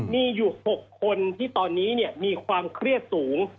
มีอยู่๖คนที่ตอนนี้มีความเครียดสูง